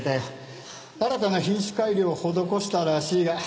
新たな品種改良を施したらしいが。